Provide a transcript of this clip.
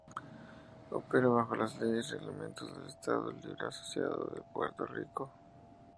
Opera bajo las leyes y reglamentos del Estado Libre Asociado de Puerto Rico.